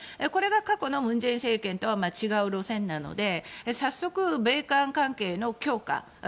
これが過去の文在寅政権とは違う路線なので早速、米韓関係の強化